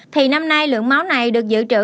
thì năm nay lượng máu này được giữ trữ